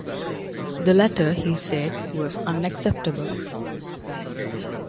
The latter, he said, was unacceptable.